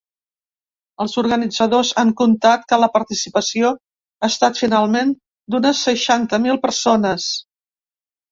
Els organitzadors han comptat que la participació ha estat finalment d’unes seixanta mil persones.